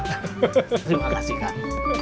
terima kasih kak